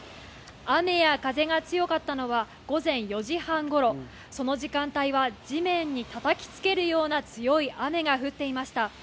雨や風が強かったのは午前４時半頃、その時間帯は地面にたたきつけるような強い雨が降っていました。